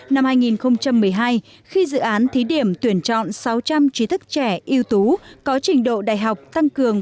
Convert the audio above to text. năm hai nghìn một mươi hai khi dự án thí điểm tuyển chọn sáu trăm linh trí thức trẻ yếu tố có trình độ đại học tăng cường